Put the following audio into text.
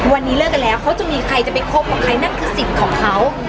วันนี้เลิกกันแล้วเขาจะมีใครจะไปคบกับใครนั่นคือสิทธิ์ของเขา